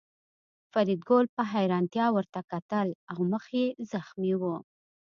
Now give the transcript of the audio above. فریدګل په حیرانتیا ورته کتل او مخ یې زخمي و